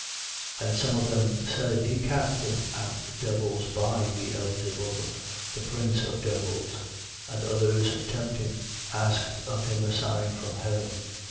11:15. But some of them said: He casteth out devils by Beelzebub, the prince of devils. 11:16. And others tempting, asked of him a sign from heaven.